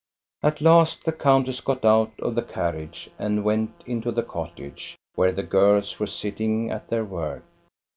At last the countess got out of the carriage and went into the cottage, where the girls were sitting at their work.